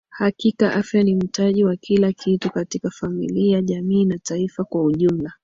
hakika afya ni mtaji wa kila kitu katika familia jamii na taifa kwa ujumla